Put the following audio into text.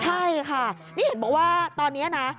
ใช่ค่ะนี่เห็นบอกว่าตอนนี้นะ